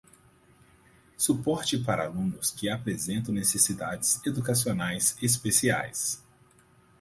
suporte para alunos que apresentam necessidades educacionais especiais